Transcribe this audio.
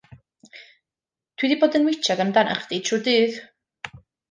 Dw i 'di bod yn witsiad amdanach chdi trwy dydd.